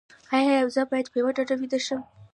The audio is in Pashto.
ایا زه باید په یوه ډډه ویده شم؟